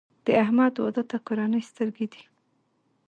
د احمد واده ته کورنۍ سترګې دي.